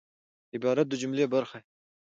عبارت د جملې برخه يي.